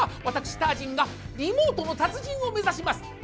私タージンがリモートの達人を目指します。